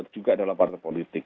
juga adalah partai politik